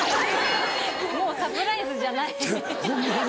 ・もうサプライズじゃない・ホンマに。